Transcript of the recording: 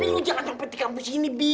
bi lo jangan nyopet di kampus ini bi